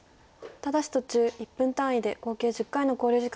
ただし途中１分単位で合計１０回の考慮時間がございます。